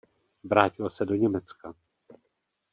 Vrátil se do Německa.